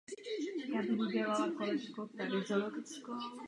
Jeho otec byl zabit během války v Bosně a Hercegovině.